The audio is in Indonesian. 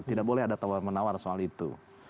tidak boleh ada tawar menawar soal itu